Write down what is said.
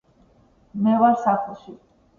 მე ვარ სახლში.